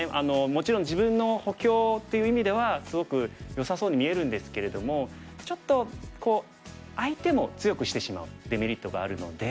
もちろん自分の補強っていう意味ではすごくよさそうに見えるんですけれどもちょっと相手も強くしてしまうデメリットがあるので。